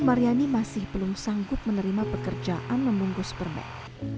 maryani masih belum sanggup menerima pekerjaan membungkus permen